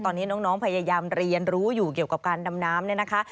ตอนนี้น้องพยายามเรียนรู้อยู่เกี่ยวกับการดำน้ำเนี่ยนะคะ